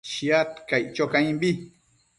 Shiad caic cho caimbi